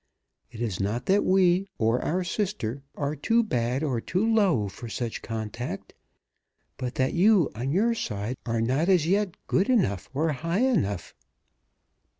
It is not that we, or our sister, are too bad or too low for such contact; but that you, on your side, are not as yet good enough or high enough."